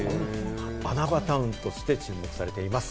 穴場タウンとして注目されています。